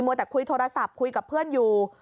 แต่คุยโทรศัพท์คุยกับเพื่อนอยู่